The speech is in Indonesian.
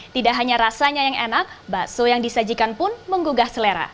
tidak hanya rasanya yang enak bakso yang disajikan pun menggugah selera